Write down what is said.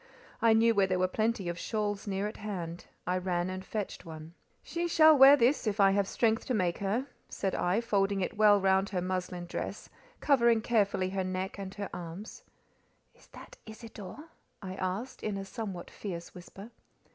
I knew where there were plenty of shawls near at hand; I ran and fetched one. "She shall wear this, if I have strength to make her," said I, folding it well round her muslin dress, covering carefully her neck and her arms. "Is that Isidore?" I asked, in a somewhat fierce whisper.